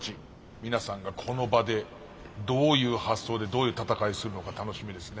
皆さんがこの場でどういう発想でどういう戦いするのか楽しみですね。